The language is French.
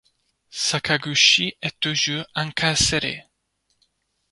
Sakaguchi est toujours incarcéré.